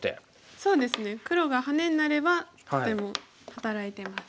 そうですね黒がハネになればとても働いてます。